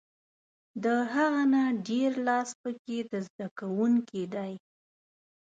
له هغه نه ډېر لاس په کې د زده کوونکي دی.